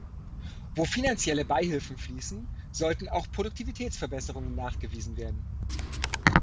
Wo finanzielle Beihilfen fließen, sollten auch Produktivitätsverbesserungen nachgewiesen werden.